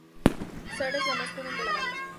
Sarah, es la más joven de la banda.